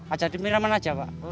aja di penyiraman saja pak